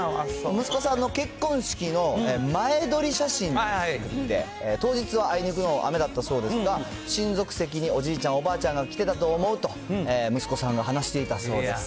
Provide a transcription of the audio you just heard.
息子さんの結婚式の前撮り写真ということで、当日はあいにくの雨だったそうですが、親族席におじいちゃん、おばあちゃんが来てたと思うと、息子さんが話していたそうです。